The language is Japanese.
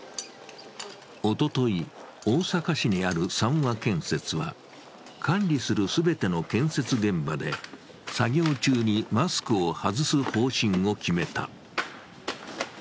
おととい、大阪市にある三和建設は管理する全ての建設現場で作業中にマスクを外す方針を決めた。